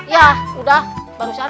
ya udah barusan